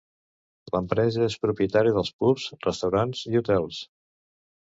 L'empresa és propietària de pubs, restaurants i hotels.